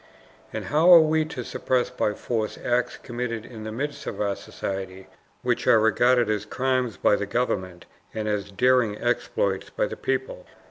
And how are we to suppress by force acts committed in the midst of our society which are regarded as crimes by the government and as daring exploits by the people?